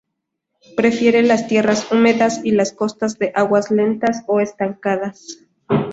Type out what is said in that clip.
Prefiere las tierras húmedas y las costas de aguas lentas o estancadas.